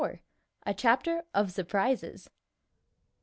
A CHAPTER OF SURPRISES.